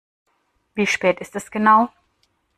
Wie spät ist es genau?